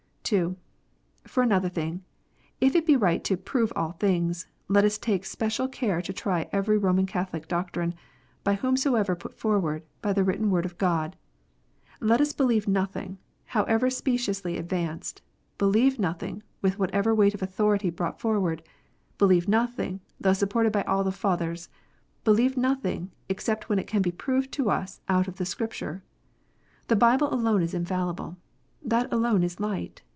(2) For another thing, if it be right to "prove all things," let us take special care to try every Roman Catholic doctrine, by whomsoever put forward, by the written Word of God. Let us believe nothing, however speciously advanced, believe nothing, with whatever weight of authority brought forward, believe nothing, though supported by all the Fathers, believe nothing, except it can be proved to us out of the Scripture. The Bible alone is infallible. That alone is light.